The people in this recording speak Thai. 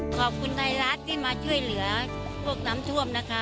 ขอบคุณไทยรัฐที่มาช่วยเหลือพวกน้ำท่วมนะคะ